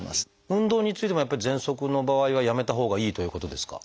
運動についてもやっぱりぜんそくの場合はやめたほうがいいということですか？